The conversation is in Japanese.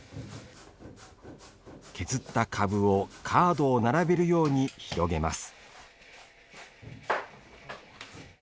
削ったかぶをカードを並べるように広げます。